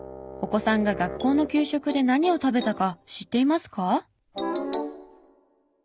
お子さんが学校の給食で何を食べたか知っていますか？